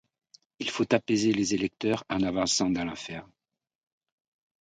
Il faut apaiser les électeurs en avançant dans l'affaire.